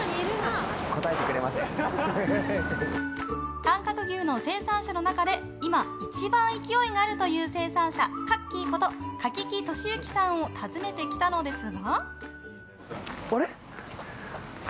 短角牛の生産者の中で今、一番勢いがあるという生産者カッキーこと柿木さんを訪ねたんですが。